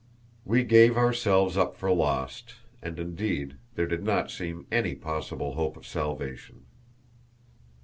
We gave ourselves up for lost, and, indeed, there did not seem any possible hope of salvation.